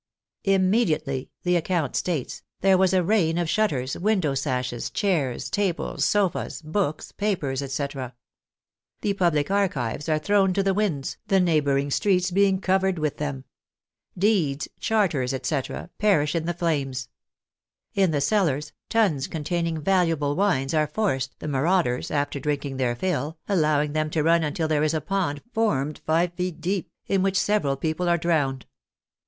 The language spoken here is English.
" Immediately," the account states, " there was a rain of shutters, window sashes, chairs, tables, sofas, books, papers, etc." The public archives are thrown to the winds, the neighboring streets being covered with them. Deeds, charters, etc., perish in the flames. In the cellars, tuns containing valuable wines are forced, the marauders, after drinking their fill, allowing them to run until there is a pond formed five feet deep, in which sev eral people are drowned.